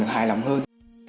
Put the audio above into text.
được hài lòng hơn